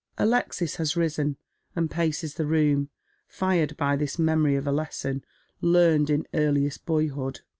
Alexis has risen, and paces the room, fired by this memory of a lesson learned in earliest boyhood.